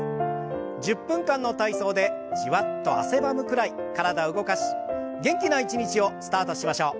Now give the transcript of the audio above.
１０分間の体操でじわっと汗ばむくらい体を動かし元気な一日をスタートしましょう。